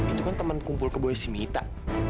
itu kan teman kumpul kebawah si mita